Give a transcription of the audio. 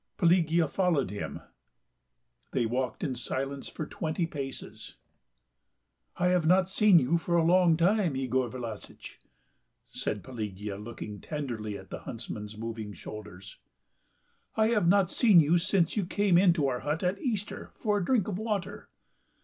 Pelagea followed him. They walked in silence for twenty paces. "I have not seen you for a long time, Yegor Vlassitch..." said Pelagea looking tenderly at the huntsman's moving shoulders. "I have not seen you since you came into our hut at Easter for a drink of water...